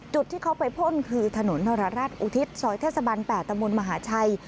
จุดที่เขาไปพ่นคือถนนนรราชอุทิศซอยเทศบัน๘ตะมนต์มหาชัย